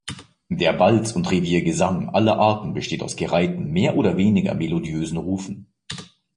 Der Balz- und Revier-„Gesang“ aller Arten besteht aus gereihten, mehr oder weniger melodiösen Rufen.